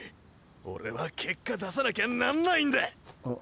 オレは結果出さなきゃなんないんだ！！